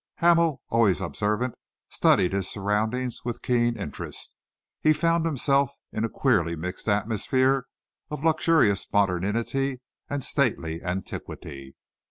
Hamel, always observant, studied his surroundings with keen interest. He found himself in a queerly mixed atmosphere of luxurious modernity and stately antiquity.